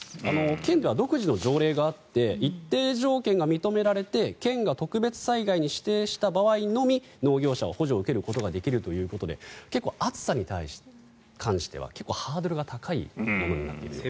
県では独自の条例があって一定条件が認められて県が特別災害に指定した場合のみ農業者は補助を受けることができるということで暑さに対しては結構ハードルが高いものになっているようです。